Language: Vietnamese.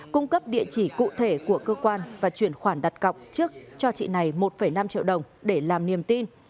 cung cấp địa chỉ cụ thể của cơ quan và chuyển khoản đặt cọc trước cho chị này một năm triệu đồng để làm niềm tin